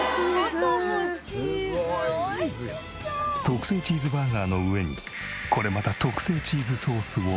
特製チーズバーガーの上にこれまた特製チーズソースをたっぷり。